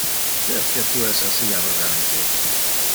Perque tu es assi arrogante?